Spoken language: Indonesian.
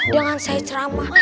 jangan saya ceramah